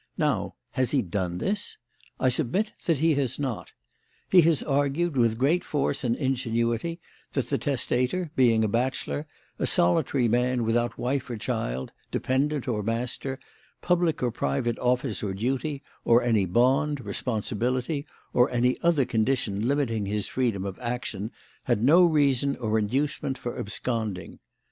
Now, has he done this? I submit that he has not. He has argued with great force and ingenuity that the testator, being a bachelor, a solitary man without wife or child, dependent or master, public or private office or duty, or any bond, responsibility, or any other condition limiting his freedom of action, had no reason or inducement for absconding.